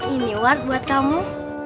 ini wart buat kamu